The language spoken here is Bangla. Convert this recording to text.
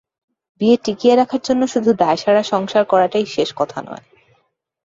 বিয়ে টিকিয়ে রাখার জন্য শুধু দায়সারা সংসার করাটাই শেষ কথা নয়।